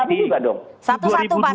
kita sikapi juga dong